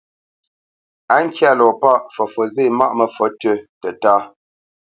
Á ŋkyá lɔ pâʼ, fəfǒt zê maʼ məfǒt tʉ́ tətá.